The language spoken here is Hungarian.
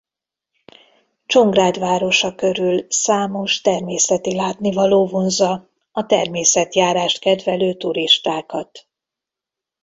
Csongrád városa körül számos természeti látnivaló vonzza a természetjárást kedvelő turistákat.